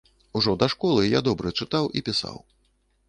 Ужо да школы я добра чытаў і пісаў.